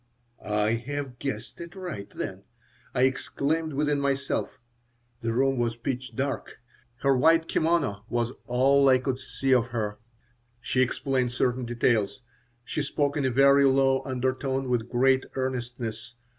"I have guessed it right, then," I exclaimed within myself. The room was pitch dark. Her white kimono was all I could see of her She explained certain details. She spoke in a very low undertone, with great earnestness.